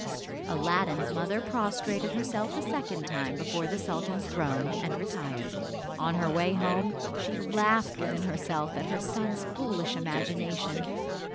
Aladdin's mother prostrated herself a second time before the sultan's throne, and retired. On her way home, she laughed within herself at her son's foolish imagination.